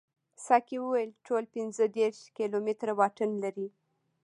ساقي وویل ټول پنځه دېرش کیلومتره واټن لري.